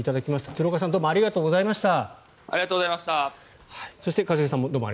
鶴岡さんどうもありがとうございました。